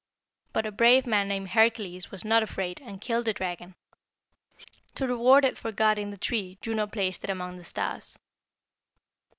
But a brave man named Hercules was not afraid, and killed the dragon. To reward it for guarding the tree Juno placed it among the stars.